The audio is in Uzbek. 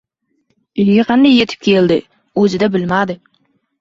Uyiga qanday yetib keldi, o‘zida bilmadi.